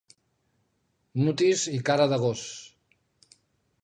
Mutis i cara de gos.